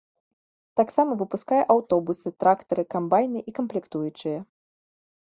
Таксама выпускае аўтобусы, трактары, камбайны і камплектуючыя.